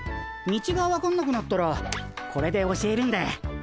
道が分かんなくなったらこれで教えるんで。